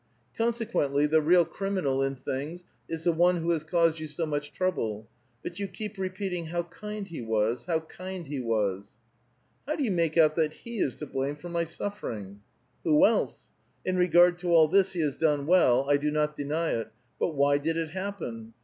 Con sequently the real criminal in things is the one who has caused you so much trouble ; but you keep re|)eating, ' How kind he was ! how kind he was !'""• How do you make out that he is to blame for m^' suffer incr?'' '^ Who else? In retrard to all this he has done well ; I do not deny it ; but why did it happen